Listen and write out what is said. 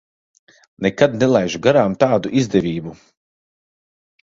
Nekad nelaižu garām tādu izdevību.